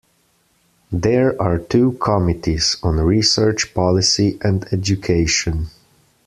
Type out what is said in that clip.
There are two commities on research policy and education.